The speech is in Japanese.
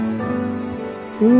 うん。